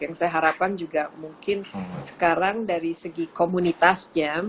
yang saya harapkan juga mungkin sekarang dari segi komunitasnya